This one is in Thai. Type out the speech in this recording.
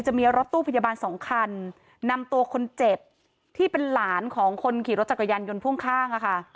จะมีรถตู้พยาบาลสองคันนำตัวคนเจ็บที่เป็นหลานของคนขี่รถจักรยานยนต์พ่วงข้าง